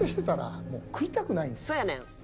「そうやねん！」